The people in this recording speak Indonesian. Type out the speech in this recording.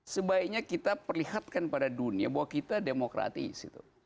sebaiknya kita perlihatkan pada dunia bahwa kita demokratis